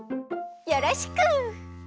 よろしく！